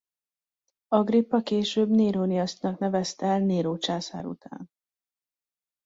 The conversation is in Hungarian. Agrippa később Néroniasz-nak nevezte el Néró császár után.